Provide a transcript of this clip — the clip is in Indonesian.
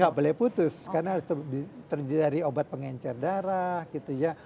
nggak boleh putus karena harus terdiri dari obat pengencer darah gitu ya